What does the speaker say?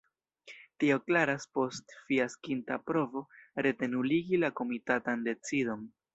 Tio klaras post fiaskinta provo rete nuligi la komitatan decidon.